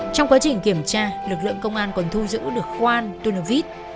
trong quá trình kiểm tra lực lượng công an còn thu giữ được khoan tunavit